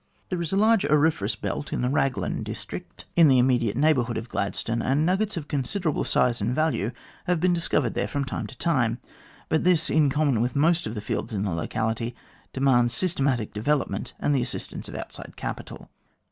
There is a large auriferous belt in the Eaglan district 196 THE GLADSTONE COLONY in the immediate neighbourhood of Gladstone, and nuggets of considerable size and value have been discovered there from time to time, but this, in common with most of the fields in the locality, demands systematic development and the assistance of outside capital.